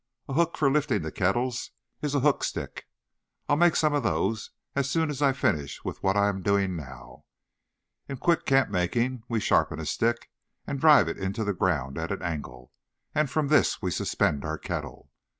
"A hook for lifting the kettles is a 'hook stick.' I'll make some of those as soon as I finish with what I am doing now. In quick camp making we sharpen a stick and drive it into the ground at an angle, and from this we suspend our kettle.